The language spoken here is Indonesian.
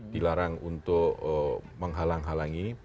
dilarang untuk menghalang halangi